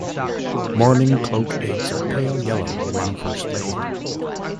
Mourning cloak eggs are pale yellow when first laid.